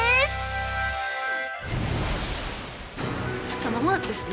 さあ間もなくですね